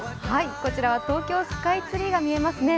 こちらは東京スカイツリーが見えますね。